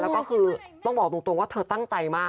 แล้วก็คือต้องบอกตรงว่าเธอตั้งใจมาก